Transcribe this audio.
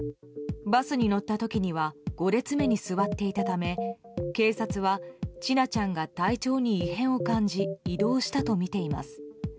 バスに乗った時には５列目に座っていたため警察は千奈ちゃんが体調に異変を感じ移動したとみています。